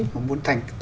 mà muốn thành đạt